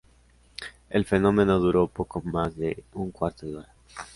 El fenómeno duró poco más de un cuarto de hora.